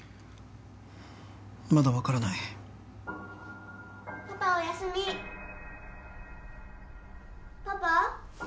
まだ分からないパパおやすみパパ？